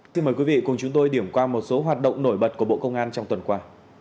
xin mời quý vị cùng chúng tôi điểm qua một số hoạt động nổi bật của bộ công an trong tuần qua